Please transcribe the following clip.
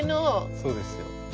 そうですよ。